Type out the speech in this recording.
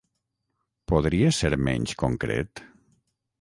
Podries ser menys concret?